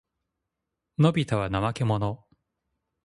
のびたは怠けもの。